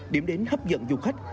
điểm đến hấp dẫn du khách